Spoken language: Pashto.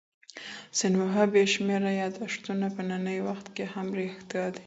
د سینوهه بې شمېره یاداښتونه په ننني وخت کي هم رښتیا دي.